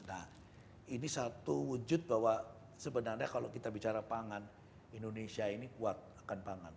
nah ini satu wujud bahwa sebenarnya kalau kita bicara pangan indonesia ini kuat akan pangan